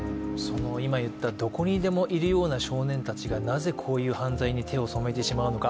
今言った、どこにでもいる少年たちがなぜこういう犯罪に手を染めてしまうのか。